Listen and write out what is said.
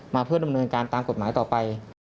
มาเพื่อดำเนินการตามกฎหมายต่อไป